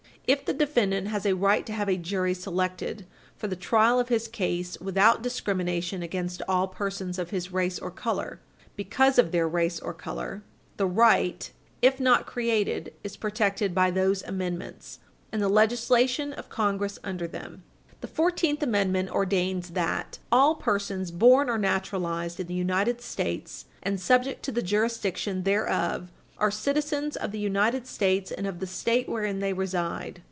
If the defendant has a right to have a jury selected for the trial of his case without discrimination against all persons of his race or color, because of their race or color, the right, if not created, is protected by those amendments and the legislation of Congress under them. The Fourteenth Amendment ordains that "all persons born or naturalized in the United States and subject to the jurisdiction thereof are citizens of the United States and of the State wherein they reside.